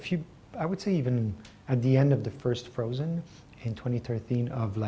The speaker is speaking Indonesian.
saya akan bilang bahwa pada akhir frozen pertama